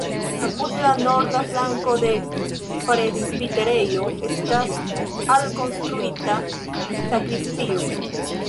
Apud la norda flanko de presbiterejo estas alkonstruita sakristio.